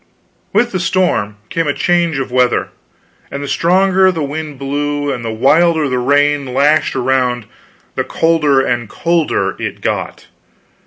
With the storm came a change of weather; and the stronger the wind blew, and the wilder the rain lashed around, the colder and colder it got.